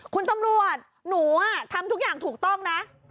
คุณตำรวจหนูทำทุกอย่างถูกต้องนะ